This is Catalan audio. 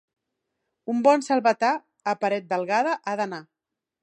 Un bon selvatà, a Paretdelgada ha d'anar.